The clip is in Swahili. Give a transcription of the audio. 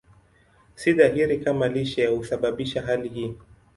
Si dhahiri kama lishe husababisha hali hii.